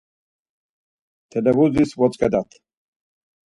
Televuzis votzǩedat.